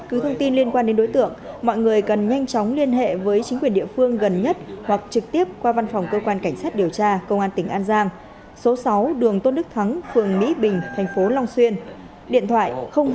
nếu có bất cứ thông tin liên quan đến đối tượng mọi người cần nhanh chóng liên hệ với chính quyền địa phương gần nhất hoặc trực tiếp qua văn phòng cơ quan cảnh sát điều tra công an tỉnh an giang số sáu đường tôn đức thắng phường mỹ bình thành phố long xuyên điện thoại hai mươi sáu hai nghìn chín trăm sáu mươi ba tám trăm bốn mươi bốn bảy trăm tám mươi chín